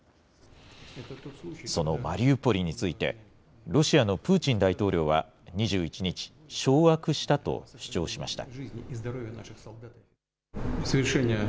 そのマリウポリについて、ロシアのプーチン大統領は、２１日、掌握したと主張しました。